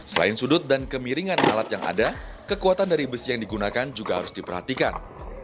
selain sudut dan kemiringan alat yang ada kekuatan dari besi yang digunakan juga harus diperhatikan